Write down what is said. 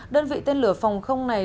đơn vị tên lửa phòng không này